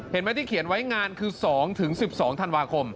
เห็นไหมที่เขียนไว้งานคือ๒๑๒ธันวาคม